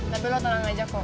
nanti lo tenang aja